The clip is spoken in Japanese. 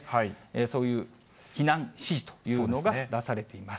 そういう避難指示というのが出されています。